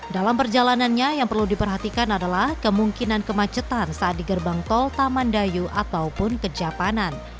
dalam perjalanannya yang perlu diperhatikan adalah kemungkinan kemacetan saat di gerbang tol taman dayu ataupun kejapanan